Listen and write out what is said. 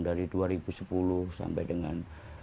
dari dua ribu sepuluh sampai dengan dua ribu dua belas